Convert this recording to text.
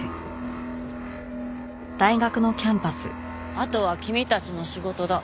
「あとは君たちの仕事だ」。